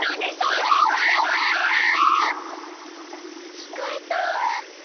聞こえた？